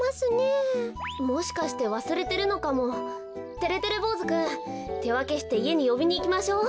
てれてれぼうずくんてわけしていえによびにいきましょう。